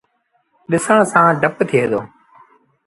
ڏسڻ سآݩ ڊپ ٿئي دو۔